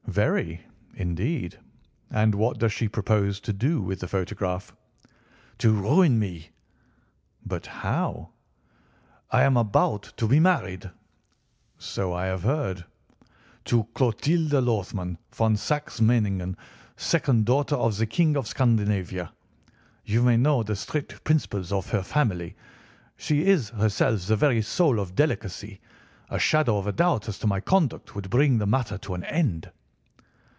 "Very, indeed. And what does she propose to do with the photograph?" "To ruin me." "But how?" "I am about to be married." "So I have heard." "To Clotilde Lothman von Saxe Meningen, second daughter of the King of Scandinavia. You may know the strict principles of her family. She is herself the very soul of delicacy. A shadow of a doubt as to my conduct would bring the matter to an end."